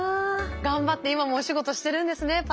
頑張って今もお仕事してるんですね